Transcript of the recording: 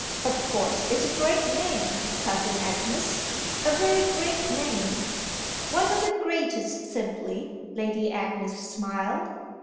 "Of course it's a great name, Cousin Agnes a very great name." "One of the greatest, simply," Lady Agnes smiled.